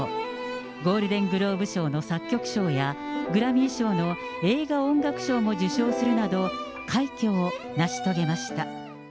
ゴールデングローブ賞の作曲賞や、グラミー賞の映画音楽賞も受賞するなど、快挙を成し遂げました。